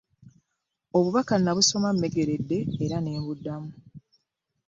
Obubaka nabusoma mmegeredde era ne mbuddamu.